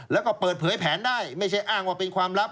แล้วก็เปิดเผยแผนได้ไม่ใช่อ้างว่าเป็นความลับ